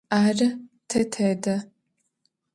Arı, te tede.